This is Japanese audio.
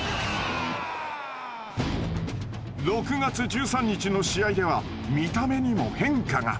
６月１３日の試合では見た目にも変化が。